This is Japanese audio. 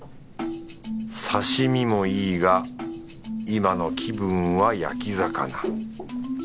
刺身もいいが今の気分は焼き魚。